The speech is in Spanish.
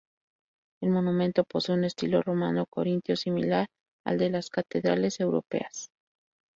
El monumento posee un estilo romano-corintio, similar al de las catedrales europeas.